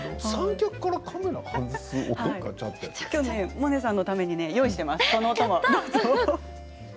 萌音さんのために用意しています。